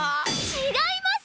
違います！！